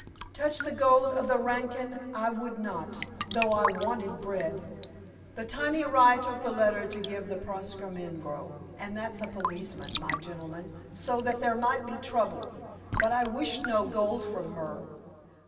"Touch the gold of the raclan I would not, though I wanted bread. The tiny rye took the letter to give to the prastramengro, and that's a policeman, my gentleman, so that there might be trouble. But I wished no gold from her.